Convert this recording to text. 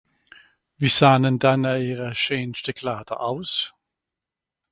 Wie sahnen dann éire Scheenschte Klaader aus ?